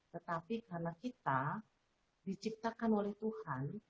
tetapi karena kita diciptakan oleh tuhan